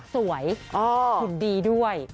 สวยขอบคุณดีด้วย